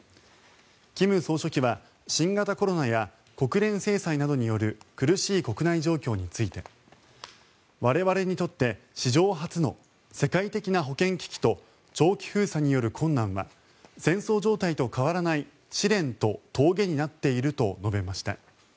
金総書記は新型コロナや国連制裁などによる苦しい国内状況について我々にとって史上初の世界的な保健危機と長期封鎖による困難は戦争状態と変わらない試練と峠になっていると述べました。